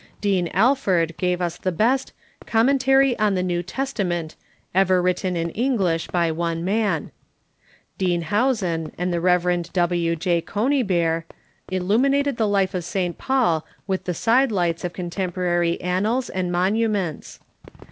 Dean Alford gave us the best "Commentary on the New Testament " ever written in English by one man. Dean Howson and the Rev. W. J. Conybeare illuminated the life of St. Paul with the side lights of contem porary annals and monuments.